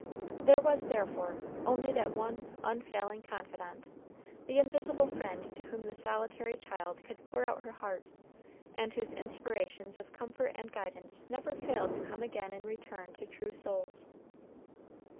There was, therefore, only that one unfailing Confidant the Invisible Friend to whom the solitary child could pour out her heart, and whose inspirations of comfort and guidance never fail to come again in return to true souls.